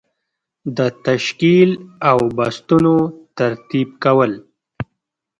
د تشکیل او بستونو ترتیب کول.